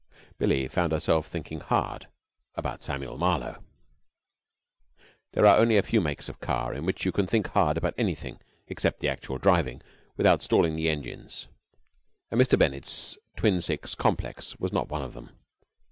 Billie found herself thinking hard about Samuel Marlowe. There are only a few makes of car in which you can think hard about anything except the actual driving without stalling the engines, and Mr. Bennett's Twin Six Complex was not one of them.